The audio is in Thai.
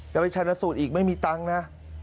ไปชนะสูตรอีกไม่มีตังค์นะ